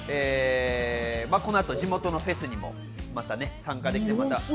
このあと地元のフェスにもまた参加できればね。